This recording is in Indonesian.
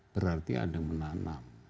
berarti ada yang menanam